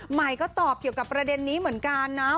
ใหม่ก็ตอบเกี่ยวกับประเด็นนี้เหมือนกันนะ